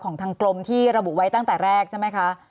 ของทางกรมที่ระบุไว้ตั้งแต่แรกใช่ไหมคะ